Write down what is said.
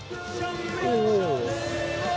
เหมือนกันเหมือนกัน